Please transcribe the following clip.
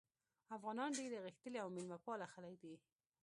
افغانان ډېر غښتلي او میلمه پاله خلک دي.